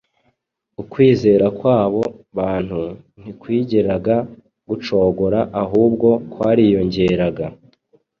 ukwizera kw’abo bantu ntikwigeraga gucogora ahubwo kwariyongeraga.